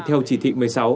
theo chỉ thị một mươi sáu